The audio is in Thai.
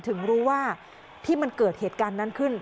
ถึงรู้ว่าที่มันเกิดเหตุการณ์นั้นขึ้น